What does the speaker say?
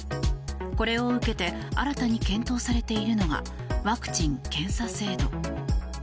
これを受けて新たに検討されているのがワクチン／検査制度。